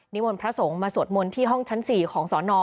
นิวนพระสงฆ์มาสวดมนตร์ที่ห้องชั้นสี่ของสอนอ